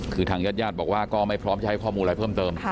คือทางญาติญาติบอกว่าก็ไม่พร้อมจะให้ข้อมูลอะไรเพิ่มเติม